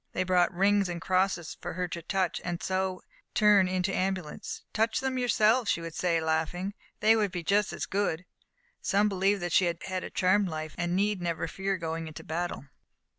They brought rings and crosses for her to touch, and so turn into amulets. "Touch them yourselves," she would say, laughing, "they will be just as good." Some believed that she had a charmed life, and need never fear going into battle.